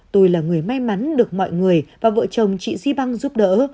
tôi là người may mắn được mọi người và vợ chồng chị di băng giúp đỡ